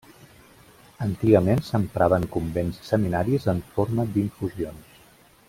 Antigament s'emprava en convents i seminaris en forma d'infusions.